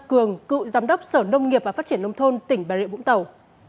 cường cựu giám đốc sở nông nghiệp và phát triển nông thôn tỉnh bà rịa vũng tàu